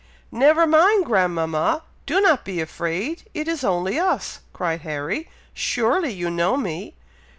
"Never mind, grandmama! do not be afraid! it is only us!" cried Harry; "surely you know me?"